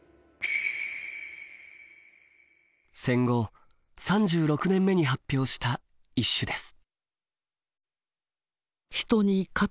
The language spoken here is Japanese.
戦後３６年目に発表した一首です。